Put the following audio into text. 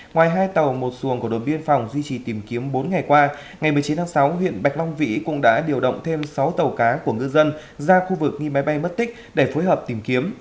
ngoài hai tàu một xuồng của đồn biên phòng duy trì tìm kiếm bốn ngày qua ngày một mươi chín tháng sáu huyện bạch long vĩ cũng đã điều động thêm sáu tàu cá của ngư dân ra khu vực nghi máy bay mất tích để phối hợp tìm kiếm